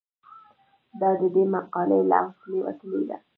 دا د دې مقالې له حوصلې وتلې ده.